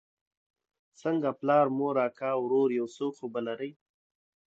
څنگه پلار مور اکا ورور يو څوک خو به لرې.